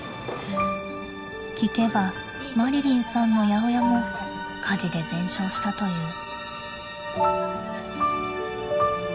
聞けばマリリンさんの八百屋も火事で全焼したという。